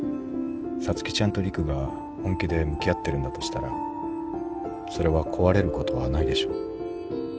皐月ちゃんと陸が本気で向き合ってるんだとしたらそれは壊れることはないでしょ。